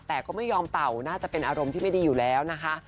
แต่ก็ไม่ยอมเป่าน่าจะเป็นอารมณ์ที่ไม่ดีอยู่แล้วนะคะ